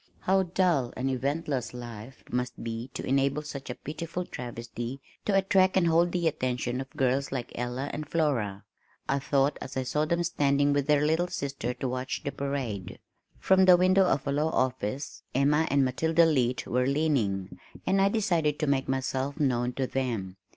"How dull and eventless life must be to enable such a pitiful travesty to attract and hold the attention of girls like Ella and Flora," I thought as I saw them standing with their little sister to watch "the parade." From the window of a law office, Emma and Matilda Leete were leaning and I decided to make myself known to them.